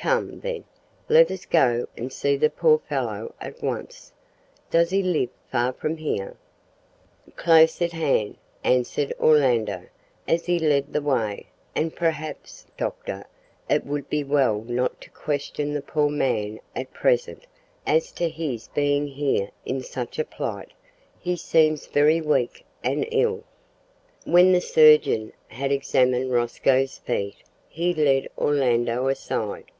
"Come, then, let us go and see the poor fellow at once. Does he live far from here?" "Close at hand," answered Orlando, as he led the way; "and perhaps, doctor, it would be well not to question the poor man at present as to his being here and in such a plight. He seems very weak and ill." When the surgeon had examined Rosco's feet he led Orlando aside.